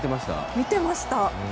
見てました！